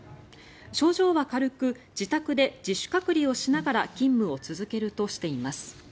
症状は軽く自宅で自主隔離をしながら勤務を続けるとしています。